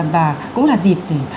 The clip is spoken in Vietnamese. và cũng là dịp